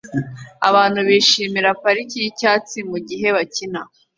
Abantu bishimira parike yicyatsi mugihe bakina